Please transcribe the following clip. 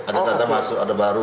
ada data masuk ada baru